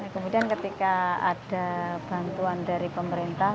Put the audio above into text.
kemudian ketika ada bantuan dari pemerintah